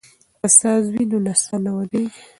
که ساز وي نو نڅا نه ودریږي.